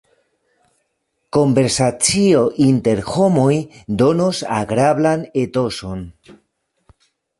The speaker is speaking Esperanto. Konversacio inter homoj donos agrablan etoson.